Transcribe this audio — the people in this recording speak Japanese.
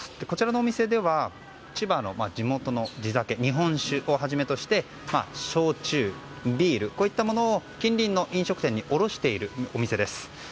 こちらのお店では千葉の地元の地酒日本酒をはじめとして焼酎、ビール、こういったものを近隣の飲食店に卸しているお店です。